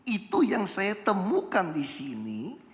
itu yang saya temukan disini